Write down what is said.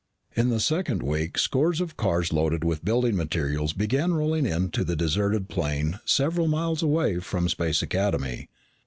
In the second week, scores of cars loaded with building materials began rolling into the deserted plain several miles away from Space Academy.